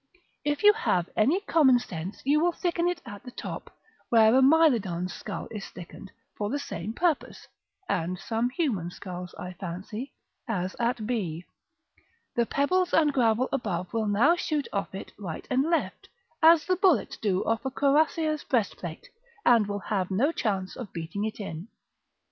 If you have any common sense you will thicken it at the top, where a Mylodon's skull is thickened for the same purpose (and some human skulls, I fancy), as at b. The pebbles and gravel above will now shoot off it right and left, as the bullets do off a cuirassier's breastplate, and will have no chance of beating it in.